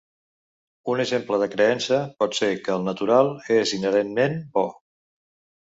Un exemple de creença pot ser que el natural és inherentment bo.